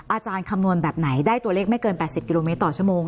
อาจารย์คำนวณแบบไหนได้ตัวเลขไม่เกินแปดสิบกิโลเมตรต่อชั่วโมง